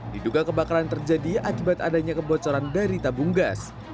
diduga kebakaran terjadi akibat adanya kebocoran dari tabung gas